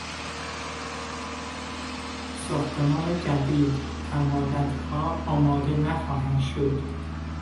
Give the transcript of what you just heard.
ساختمان جدید تا مدتها آماده نخواهد شد.